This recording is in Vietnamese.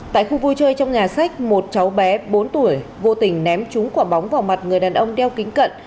tại khu vui chơi trong nhà sách một cháu bé bốn tuổi vô tình ném trúng quả bóng vào mặt người đàn ông đeo kính cận